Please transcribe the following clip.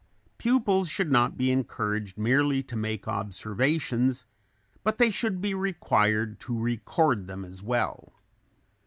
Pupils should not be encouraged merely to make observations, but they should be required to record them as well.